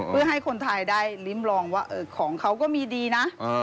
เพื่อให้คนไทยได้ลิ้มลองว่าของเขาก็มีดีนะ